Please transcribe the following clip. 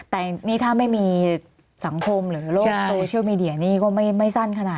แต่นี่ถ้าไม่มีสังคมหรือโลกโซเชียลมีเดียนี่ก็ไม่สั้นขนาด